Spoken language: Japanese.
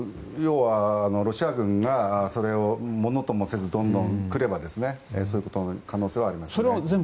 ロシア軍がそれをものともせずどんどん来ればそういう可能性はありますね。